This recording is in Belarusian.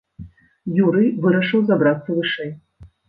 Юрый вырашыў забрацца вышэй.